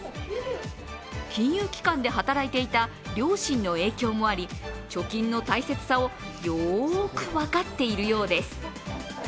金融機関で働いていた両親の影響もあり、貯金の大切さをよく分かっているようです。